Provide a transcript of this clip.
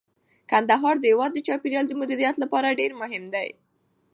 کندهار د هیواد د چاپیریال د مدیریت لپاره ډیر مهم دی.